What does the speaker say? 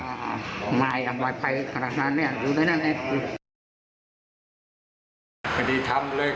อ่าไม่อำราภัยขนาดนั้นอยากรู้ได้นั่นเอง